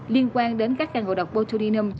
liên quan đến các căn ngộ độc botulinum